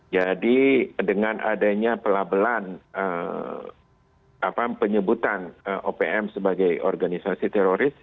dengan adanya pelabelan penyebutan opm sebagai organisasi teroris